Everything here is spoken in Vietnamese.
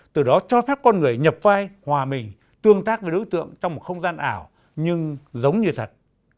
từ đó cho phép con người nhập vai hòa mình tương tác với đối tượng trong một không gian ảo nhưng giống như thật